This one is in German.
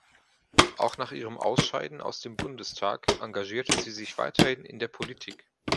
Auch nach ihrem Ausscheiden aus dem Bundestag engagierte sie sich weiterhin in der Politik.